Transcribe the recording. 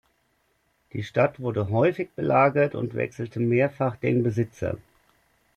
Die Stadt wurde häufig belagert und wechselte mehrfach den Besitzer.